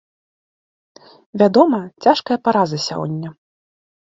Вядома, цяжкая параза сёння.